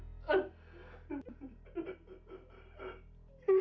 aku sudah berjalan